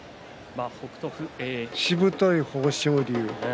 しぶとい豊昇龍